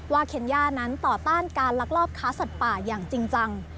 เคนย่านั้นต่อต้านการลักลอบค้าสัตว์ป่าอย่างจริงจัง